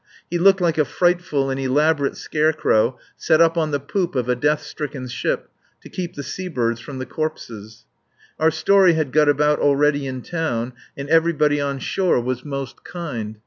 He looked like a frightful and elaborate scarecrow set up on the poop of a death stricken ship, set up to keep the seabirds from the corpses. Our story had got about already in town and everybody on shore was most kind.